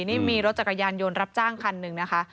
นี่มีรถจักรยานยนต์รับจ้างคันหนึ่งนะคะ